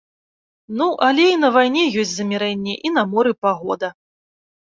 Ну, але і на вайне ёсць замірэнні, і на моры пагода.